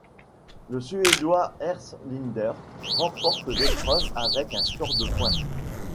Le suédois Ernst Linder remporte l'épreuve avec un score de points.